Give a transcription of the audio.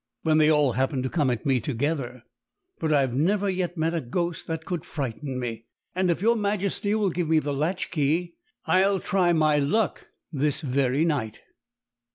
" when they all happened to come at me together. But I've never yet met the ghost that could frighten me; and if your Majesty will give me the latch key I'll try my luck this very night."